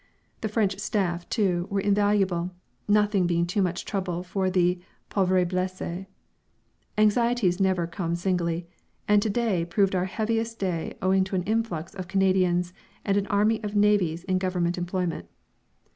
The French staff, too, were invaluable, nothing being too much trouble for the pauvres blessés. Anxieties never come singly, and to day proved our heaviest day owing to an influx of Canadians and an army of navvies in Government employment.